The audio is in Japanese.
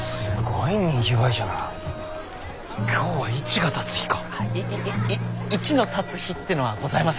いいい市の立つ日ってのはございません。